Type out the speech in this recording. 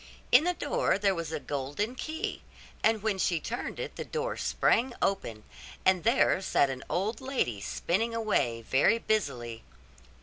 In the door there was a golden key, and when she turned it the door sprang open, and there sat an old lady spinning away very busily.